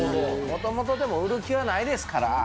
もともとでも、売る気はないですから。